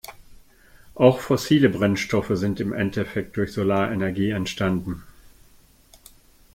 Auch fossile Brennstoffe sind im Endeffekt durch Solarenergie entstanden.